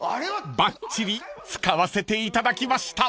［ばっちり使わせていただきました］